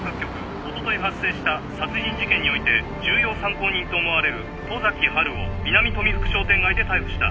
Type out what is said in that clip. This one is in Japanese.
おととい発生した殺人事件において重要参考人と思われる十崎波琉を南富福商店街で逮捕した。